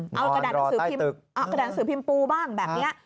นอนรอใต้ตึกเออคำสือพิมพ์เอากระดานสือพิมพ์ปูบ้างแบบนี้ครับ